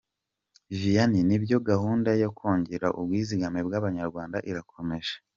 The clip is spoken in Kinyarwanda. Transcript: Vianney: Nibyo gahunda yo kongera ubwizigame bw’Abanyarwanda irakomeje.